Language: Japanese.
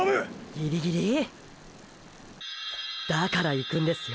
ギリギリ？だから行くんですよ